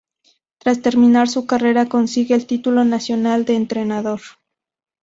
Tras terminar su carrera consigue el titulo nacional de entrenador.